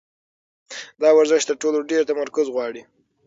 دا ورزش تر ټولو ډېر تمرکز غواړي.